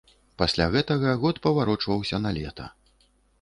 Пасля гэтага год паварочваўся на лета.